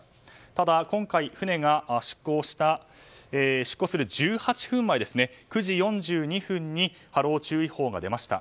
ただ、今回船が出航する１８分前９時４２分に波浪注意報が出ました。